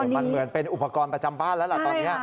มันเหมือนเป็นอุปกรณ์ประจำบ้านแล้วล่ะตอนนี้